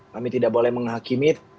kami tidak boleh menghakimi